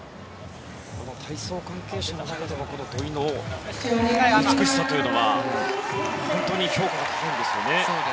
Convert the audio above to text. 体操関係者の中ではこの土井の美しさというのは本当に評価が高いですよね。